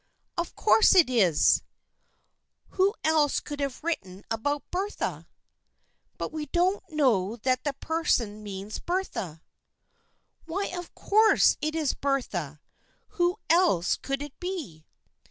" Of course it is ! Who else could have written about Bertha?" " But we don't know that the person means Bertha." " Why, of course it is Bertha ! Who else could it be